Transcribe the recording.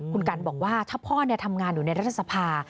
คุณกันบอกว่าถ้าพ่อทำงานอยู่ในรัฐสภา